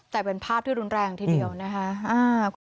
แต่เป็นภาพที่รุนแรงทีเดียวนะคะ